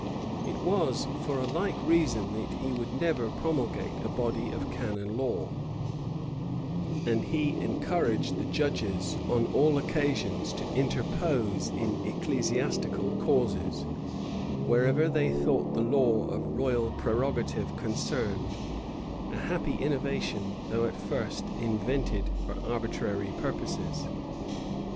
It was for a like reason that he would never promulgate a body of canon law; and he encouraged the judges on all occasions to interpose in ecclesiastical causes, wherever they thought the law of royal prerogative concerned; a happy innovation, though at first invented for arbitrary purposes.